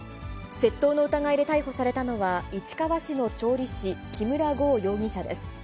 窃盗の疑いで逮捕されたのは、市川市の調理師、木村剛容疑者です。